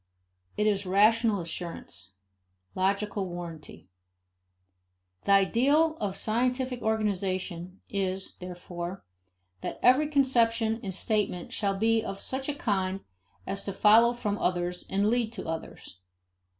It is rational assurance, logical warranty. The ideal of scientific organization is, therefore, that every conception and statement shall be of such a kind as to follow from others and to lead to others.